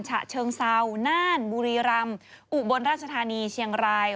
ฉะเชิงเซาน่านบุรีรำอุบลราชธานีเชียงราย